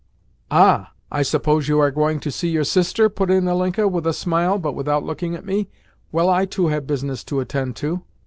"Ah! I suppose you are going to see your sister?" put in Ilinka with a smile, but without looking at me. "Well, I too have business to attend to."